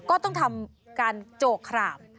ก็ต้องทำการโจกขราม